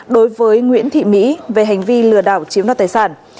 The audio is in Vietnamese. đối với nguyễn thị mỹ về hành vi lừa đảo chiếm đoạt tài sản